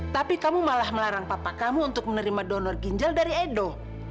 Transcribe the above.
tapi kamu malah melarang papa kamu untuk menerima donor ginjal dari edo